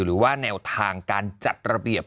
หรือว่าแนวทางการจัดระเบียบ